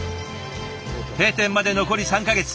閉店まで残り３か月。